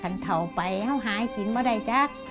คนเท่าไปก็หายจินปะได้จ๊ะ